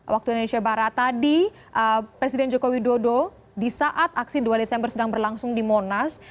waktu indonesia barat tadi presiden joko widodo di saat aksi dua desember sedang berlangsung di monas